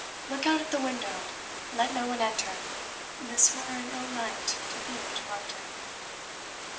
Look out at the window let no one enter this were an ill night to be interrupted."